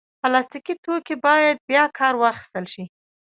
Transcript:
پلاستيکي توکي باید بیا کار واخیستل شي.